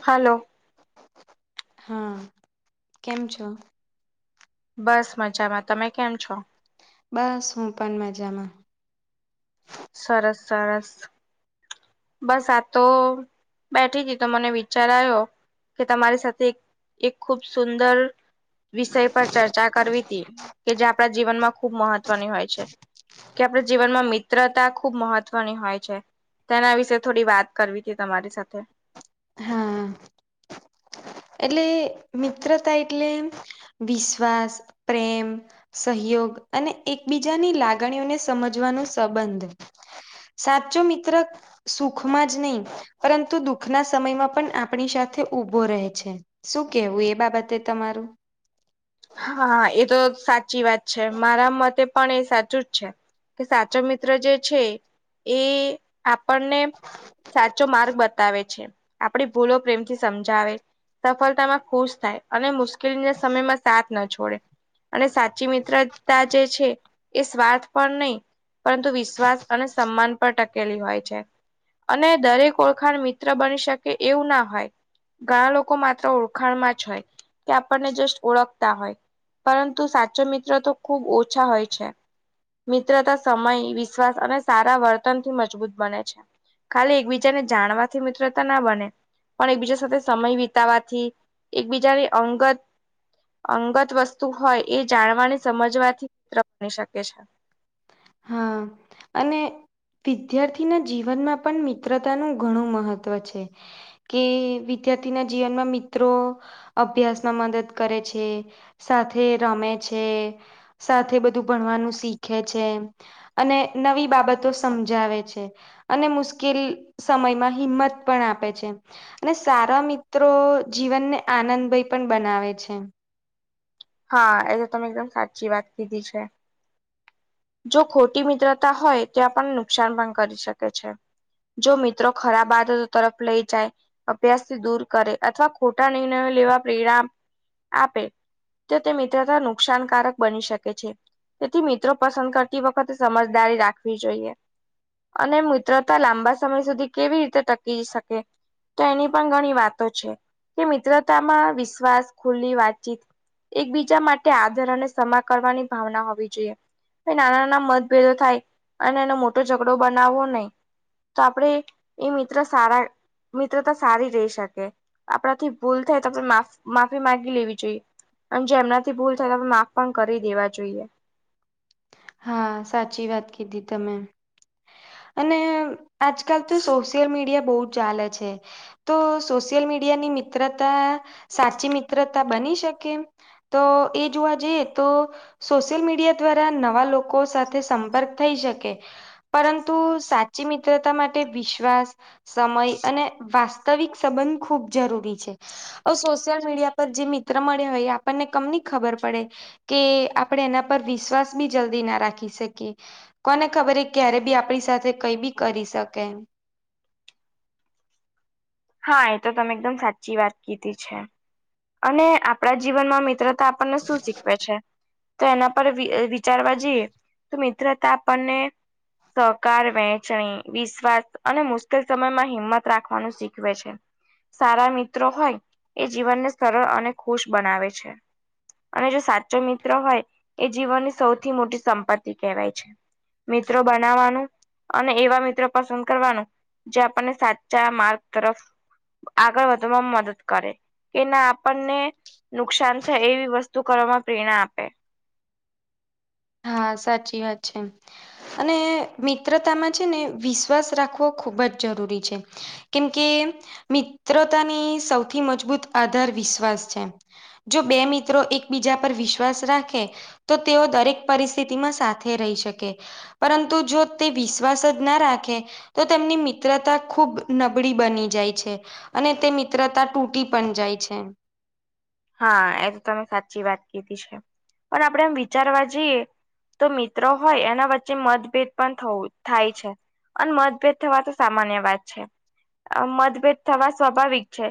હાલો. હા! કેમ છો? બસ મજામાં. તમે કેમ છો? બસ. હું પણ મજામાં. સરસ સરસ. બસ આ તો બેઠીથી તો, મને વિચાર આવો, કે તમારી સાથે એક ખૂબ સુંદર. વિષય પર ચર્ચા કરવી હતી. કે જે આપણા જીવનમાં ખુબ મહત્વની હોય છે. કે આપડ જીવનમાં મિત્રતા ખુબ મહત્વની હોય છે. તેના વિશે થોડી વાત કરવી હતી તમારી સાથે. હા એટલે મિત્રતા એટલે વિશ્વાસ, પ્રેમ સહયોગ અને એક બીજાની લાગણીઓને સમજવાનું સંબંધ. સાચો મિત્ર સુખમાં જ નહી, પરંતુ દુઃખના સમયમાં પણ આપણી સાથે ઉભો રહે છે. શું કેવું એ બાબતે તમારું? હા! એ તો સાચી વાત છે. મારા મતે પણ એ સાચું જ છે. કે સાચો મિત્ર જે છે એ આપણને સાચો માર્ગ બતાવે છે. આપડી ભૂલો પ્રેમથી સમજાવે. સફળતામાં ખુશ થાય. અને મુશ્કેલી ના સમયમાં સાથ ન છોડે. અને સાચી મિત્રતા જે છે એ સ્વાર્થ પણ નહી, પરંતુ વિશ્વાસ અને સન્માન પણ ટકેલી હોય છે. અને દરેક ઓળખાણ મિત્ર બની શકે. એવું ના હોય. ઘણા લોકો માત્ર ઓળખાણમાં હોય. કે આપણને જસ્ટ ઓળખ હોય. પરંતુ સાચો મિત્ર તો ખુબ ઓછા હોય છે. મિત્રતા સમય, વિશ્વાસ અને સારા વર્તનથી મજબૂત બને છે. ખાલી એક બીજા ને જાણવાથી મિત્રતા ના બને. પણ એક બીજા સાથે સમય વિતાવાથી, એકબીજાને અંગત અંગત વસ્તુ હોય, એ જાણવાને સમજવાથી ત્ર બની શકે છે. હા! અને વિદ્યાર્થીના જીવનમાં પન મિત્રતાનું ઘણું મહત્વ છે. કે વિદ્યાર્થીના જીવનમાં, મિત્રો અભ્યાસમાં મદદ કરે છે. સાથે રમે છે. સાથે બધું ભણવાનું શીખે છે. અને નવી બાબતો સમજાવે છે. અને મુશ્કેલ સમયમાં હિંમત પણ આપે છે. અને સારા મિત્રો જીવનને, આનંદભય પણ બનાવે છે. હા એ તો તમે એકદમ સાચી વાત કીધી છે. જો ખોટી મિત્રતા હોય તે આપણને નુકસાન પણ કરી શકે છે. જો મિત્રો ખરાબ આદતો તરફ લઈ જાય અભ્યાસથી દૂર કરે અથવા ખોટા નિર્ણયો લેવા પ્રેઆ આપે તો તે મિત્રતા નુકસાનકારક બની શકે છે તેથી મિત્રો પસંદ કરતી વખતે સમજદારી રાખવી જોઈએ. અને મિત્રતા લાંબા સમય સુધી કેવી રીતે ટકી શકે. તો એની પણ ઘણી વાતો છે કે મિત્રતામાં વિશ્વાસ ખુલ્લી વાતચીત એકબીજા માટે આદર અને સમા કરવાની ભાવના હોવી જોઈએ. તે નાના નાના મતભેદો થાય અને એનો મોટો ઝઘડો બનાવવો નહીં. તો આપણડે એ મિત્ર સારા મિત્રતા સારી રહી શકે આપણાથી ભૂલ થાય તો આપ માફ માફી માંગી લેવી જોઈએ. અન જો એમનાથી ભૂલ થાય તો માફ પણ કરી દેવા જોઈએ. હા સાચી વાત કીધી તમે. અને આજકાલ તો સોશિયલ મીડિયા બહુ ચાલે છે. તો સોશિયલ મીડિયાની મિત્રતા સાચી મિત્રતા બની શકે? તો એ જોવા જઈએ તો સોશિયલ મીડિયા દ્વારા નવા લોકો સાથે સંપર્ક થઈ શકે પરં તું સાચી મિત્રતા માટે વિશ્વાસ સમય અને વાસ્તવિક સંબંધ ખૂબ જરૂરી છે. અવ સોશિયલ મીડિયા પર જે મિત્ર મળ્યા હોય એ આપણને કમની ખબર પડે. કે આપડે એના પર વિશ્વાસ બી જલ્દી ના રાખી શકીએ કોને ખબર ક્યારે બી આપ પડી સાથે કઈ બી કરી શકે એમ. હા એ તો તમે એકદમ સાચી વાત કીધી છે અને આપણા જીવનમાં મિત્ર તા આપણને શું શીખવે છે. તો એના પર વી વિચારવા જઈએ તો મિત્રતા આપણને સહકાર, વહેચણી, વિશ્વાસ અને મુશ્કેલ સમયમાં હિંમત રાખવાનું શીખ ખવે છે સારા મિત્રો હોય એ જીવનને સરળ અને ખુશ બનાવે છે. અને જો સાચો મિત્ર હોય એ જીવનની સૌથી મોટી સંપત્તિ કહેવાય છે. મિત્રો બનાવવાનું અને એવા મિત્રો પસંદ કરવાનું જે આપણને સાચા માર્ગ તરફ આગળ વધવામાં મદદ કરે કે ના આપણને નુકસાન થાય એવી વસ્તુ કરવામાં પ્રેરણા આપે. હા સાચી વાત છે. અને મિત્રતામાં છે ને વિશ્વાસ રાખવો ખૂબ જ જરૂરી છે. કેમ કે મિત્રતાની સૌથી મજબૂત આધાર વિશ્વાસ છે. જો બે મિત્રો એકબીજા પર વિશ્વાસ રાખે તો તેઓ દરેક પરિસ્થિતિમાં સાથે રહી શકે પરંતુ જો તે વિશ્વાસ જ ના રાખે તો તેમની મિત્રતા ખુબ નબળી બની જાય છે. અને તે મિત્રતા તૂટી પણ જાય છે. હા એ તો તમે સાચી વાત કીધી છે પણ આપડે એમ વિચારવા જઈએ તો મિત્રો હોય એના વચ્ચે મતભેદ પણ થવું થાય છે અને મતભેદ થવા તો સામાન્ય વાત છે આ મતભેદ થવા સ્વાભાવિક છે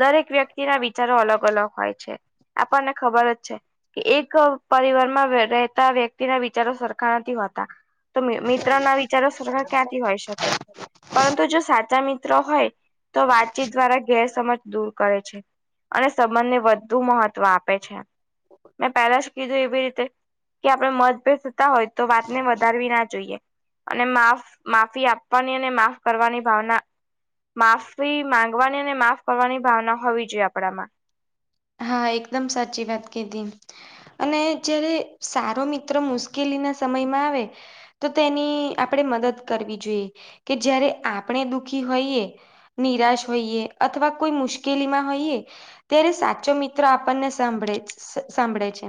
દરેક વ્યક્તિ ના વિચારો અલગ અલગ હોય છે આપણને ખબર જ છે કે એક પરિવારમાં રહેતા વ્યક્તિના વિચારો સરખા નથી હોતા તો મિત્ર ના વિચારો સરખા ક્યાંથી હોય શકે પરંતુ જો સાચા મિત્ર હોય તો વાતચીત દ્વારા ગેરસજ દૂર કરે છે અને સંબંધને વધુ મહત્વ આપે છે મેં પહેલા જ કીધું એવી રીતે કે આપણે મતભેદ હોય તો વાતને વધારવી ના જોઈએ અને માફ માફી આપવાની અને માફ કરવાની ભાવના માફી માંગવાની અને માફ કરવાની ભાવના હોવી જોઈએ આપડામાં હા એકદમ સાચી વાત કીતી અને જારે સારો મિત્ર મુશ્કેલીના સમયમાં આવે તો તેની આપણે મદદ કરવી જોઈએ કે જયારે આપણે દુખી હોઈએ નિરાશ હોઈએ અથવા કોઈ મુશ્કેલીમાં હોઈએ ત્યારે સાચ ચો મિત્રો આપણને સાંભળે સાંભળે છે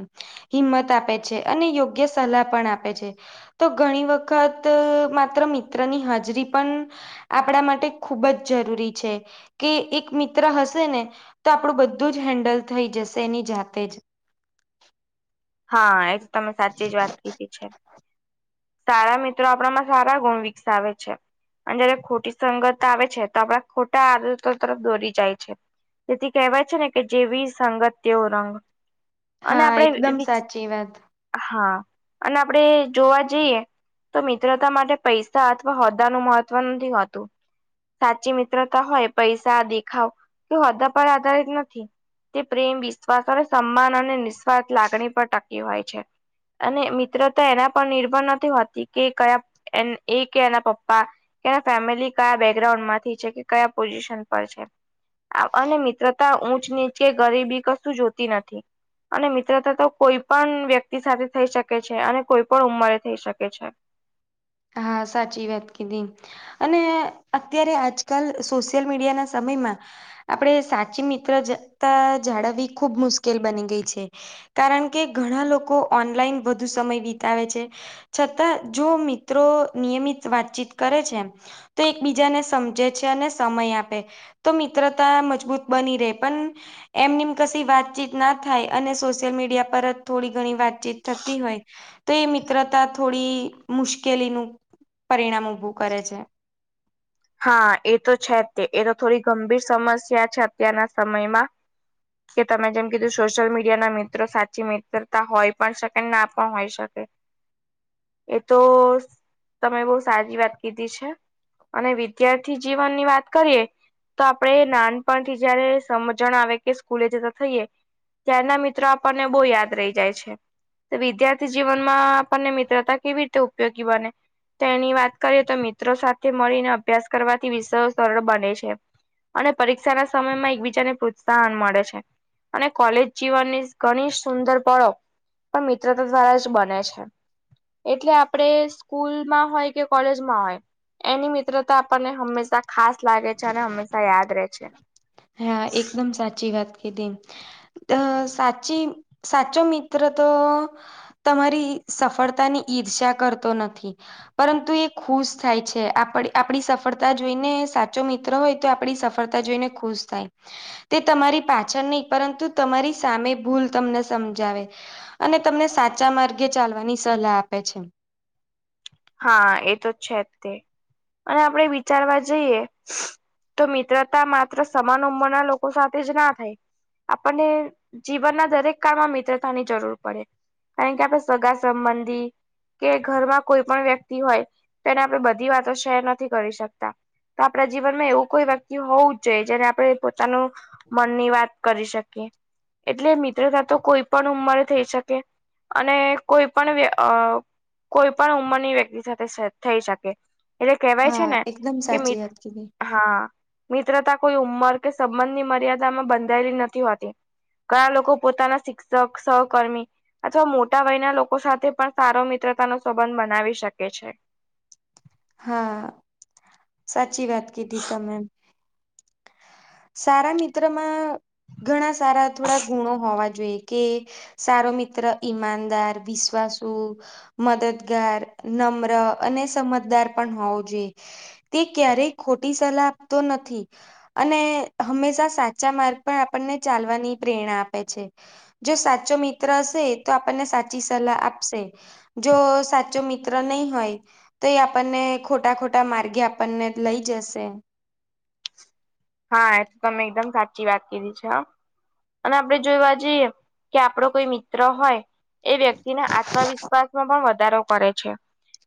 હિંમત આપે છે અને યોગ્ય સલાહ પણ આપે છે તો ઘણી વખત માત્ર મિત્રની હાજરી પણ આપણા માટે ખૂબ જ જરૂરી છે કે એક મિત્ર હશે ને તો આપડું બધું જ હેન્ડલ થઈ જશે એની જાતે જ હા એ તો તમે સાચી જ વાત કીધી છે સારા મિત્રો આપણામાં સારા ગુણ વિકસાવે છે અને જયારે ખોટી સંગત આવે છે તો આપડા ખોટા આદતો તરફ દોરી જાય છે તેથી કહેવાય છે ને કે જેવી સંગત તેવો રંગ અને હા એકદમ આપડે સાચી વાત હા અને આપડે જોવા જઈએ તો મિત્રતા માટે પૈસા અથવા હોદ્દા નું મહત્વ નથી હોતું સાચી મિત્રતા હોય પૈસા દેખાવ કે હોદા પર આધારિત નથી તે પ્રેમ વિશ્વાસ અને સમાન અને નિસ્વાર્થ લાગણી પર ટકી હોય છે અને મિત્રો તો એના પર નિર્ભર નથી હોતી કે કયા એ કે એના પપ્પા એના ફેમિલી કયા બેકગ્રાઉન્ડ માંથી છે કે કયા પોઝિશન પર છે અને મિત્રતા ઊંચ નીચે કે ગરીબી કશું જોતી નથી અને મિત્રતા તો કોઈ પણ વ્યક્તિ સાથે થઈ શકે છે અને કોઈ પણ ઉંમરે થઈ શકે છે હા સાચી વાત કીધી અને અત્યારે આજકાલ સોશિયલ મીડિયાના સમયમાં આપડે સાચી મિત્ર જતા જાળવવી ખુબ મુશ્કેલ બની ગઈ છે કારણ કે ઘણા લોકો ઓનલાઈન વધુ સમય વિતાવે છે છતાં જો મિ ત્રો નિયમિત વાતચીત કરે છે એમ તો એકબીજાને સમજે છે અને સમય આપે તો મિત્રતા મજબૂત બની રહે પણ એમનીમ કશ વાતચીત ના થાય અને સોશિયલ મીડિયા પર જ થોડી ઘણી વાતચીત થતી હોય તો એ મિત્રતા થોડી મુશ્કેલીનું પરિણામ ઊભું કરે છે હા એ તો છે તે એ તો થોડી ગંભીર સમસ્યા છે અત્યારના સમયમાં કે તમે જેમ કીધું સોશિયલ મીડિયા ના મિત્રો સાચી મિત્રતા હોય પણ શકે ના પણ હોય શકે એ તો તમે બહુ સારી વાત કીધી છે અને વિદ્યાર્થી જીવન ની વાત કરીએ તો આપડે નાનપણથી જયારે સમજણ આવે કે સ્કૂલે જતા થઈ યએ ત્યારના મિત્રો આપણને બોહ યાદ રહી જાય છે વિદ્યાર્થી જીવનમાં આપણને મિત્રતા કેવી રીતે ઉપયોગી બને તેની વાત કરીએ તો મિત્રો સાથે મળીને અભ્યાસ કરવાથી વિષયો સરળ બને છે અને પરીક્ષા ના સમયમાં એકબીજાને પ્રોત્સાહન મળે છે અને કોલેજ જીવનની ઘણી સુંદર પળો પણ મિત્રતા દ્વારા જ બને છે એટલે આપડે સ્કૂલમાં હોય કે કોલેજમાં હોય એની મિત્રતા આપણને હંમેશા ખાસ લાગે છે અને હંમેશા યાદ રહે છે હા એકદમ સાચી વાત કીધી અ સાચી સાચો મિત્ર તો તમારી સફળતા ની ઈર્ષા કરતો નથી પરંતુ એ ખુશ થાય છે આપડી સફળતા જોઈને સાચો મિત્ર હોય તે આપણી સફળતા જોઈને ખુશ તે તમારી પાછળ નહી પરંતુ તમારી સામે ભૂલ તમને સમજાવે અને તમને સાચા માર્ગે ચાલવાની સલાહ આપે છે. હા એ તો છે જ તે અને આપણે વિચારવા જઈએ. તો મિત્રતા માત્ર સમાન ઉંમરના લોકો સાથે જ ના થાય. આપણને જીવનના દરેક કાળમાં મિત્રતાની જરૂર પડે. કારણ કે આપણે સગા સંબંધી કે ઘરમાં કોઈ. પણ વ્યક્તિ હોય તો એને આપણે બધી વાતો શેર નથી કરી શકતા. તો આપણા જીવનમાં એવું કોઈ વ્યક્તિ હોવું જ જોઈએ જેને આપણે પોતાનું મનની વાત. કરી શકીએ એટલે મિત્રતા તો કોઈ પણ ઉંમરે થઈ શકે. અને કોઈ પણ કોઈ પણ ઉંમર. વ્યક્તિ સાથે થઈ શકે એટલે કેહેવાય છે હા ને એકદમ કે. સાચી વાત કીધી. હા મિત્રતા કોઈ ઉંમર કે સંબંધની મર્યાદામાં બંધાયેલી નથી હોતી. ઘણા લોકો પોતાના શિક્ષક સહકર્મી. અથવા મોટા વયના લોકો સાથે પણ સારો મિત્રતા નો સંબંધ બનાવી શકે છે. હા સાચી વાત કીધી તમે. સારા મિત્ર માં ઘણા સારા થોડા ગુણો હોવા. જો કે સારો મિત્ર ઈમાનદાર વિશ્વાસુ. મદદગાર નમ્ર અને સમજદાર પણ હોવો જોઈએ. તે ક્યારેય ખોટી સલાહ આપતો નથી અને. હંમેશા સાચા માર્ગ પણ આપણને ચાલવાની પ્રેરણા આપે છે. જો સાચો મિત્ર હશે તો આપણને સાચી સલાહ આપશે. જો સાચો મિત્ર નહી હોય. તો એ આપણને ખોટા ખોટા માર્ગે આપણને લઈ જશે. હા એ તો તમે એકદમ સાચી વાત કિધી છે. હો અને આપડે જોયવા જઈએ કે આપડો કોઈ મિત્ર હોય. એ વ્યક્તિના આત્મવિશ્વાસમાં પણ વધારો કરે છે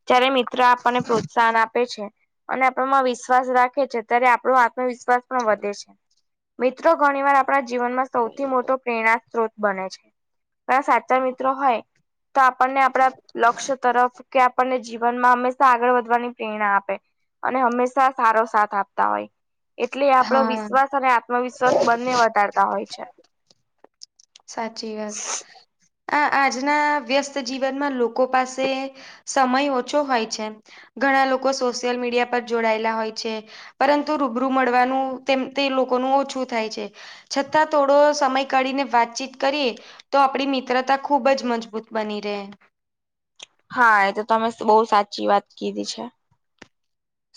જ્યારે. મિત્ર આપણને પ્રોત્સાહન આપે છે અને આપણમાં વિશ્વાસ રાખે છે ત્યારે આપણો આત્મવિશ્વાસ. વધે છે મિત્રો ઘણી વાર આપણા જીવનમાં સૌથી મોટો પ્રેરણા સ્ત્રોત બને છે. સાચા મિત્રો હોય તો આપણને આપડા લક્ષ્ય તરફ કે. આપણને જીવનમાં હંમેશા આગળ વધવાની પ્રેરણા આપે અને હંમેશા સારો સાથ આપતા હોય. એટલે આપડો હા વિશ્વાસ અને આત્મવિશ્વાસ બંને વધારતા હોય છે. સાચી વાત. આ આજના વ્યસ્ત જીવનમાં લોકો પાસે સમય ઓછો હોય છે. ઘણા લોકો સોશિયલ મીડિયા પર જોડાયેલા હોય છે પરંતુ રૂબરૂ મળવાનું. તે લોકોનું ઓછું થાય છે. છતાં થોડો સમય કાઢીને વાતચીત કરીએ. તો આપડી મિત્રતા ખુબ જ મજબૂત બની રહે. હા એ તો તમે બહુ સાચી વાત કીધી છે.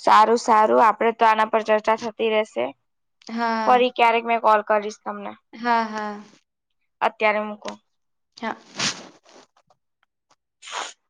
સારું સારું આપડે ત્ર. પર ચર્ચા થતી રહેશે હા ફરી ક્યારેક મેં કોલ કરીશ તમને. હા હા. અત્યારે મૂકો હા હ